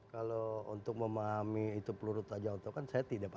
kalau untuk memahami itu peluru tajam itu kan saya tidak paham